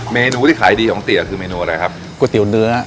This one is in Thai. เมนูที่ขายดีของเตี๋ยคือเมนูอะไรครับก๋วยเตี๋ยวเนื้อ